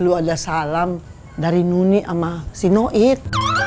lu ada salam dari nunik sama si noit